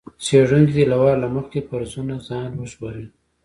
څېړونکی دې له وار له مخکې فرضونو ځان وژغوري.